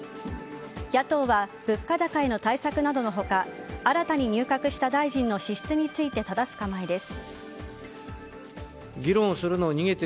野党は物価高への対策などの他新たに入閣した大臣の資質についてただす構えです。